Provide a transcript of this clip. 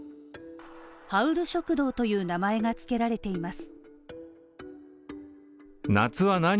「ハウル食堂」という名前がつけられています。